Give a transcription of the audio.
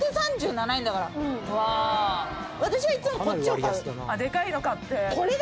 私はいつもこっちを買う。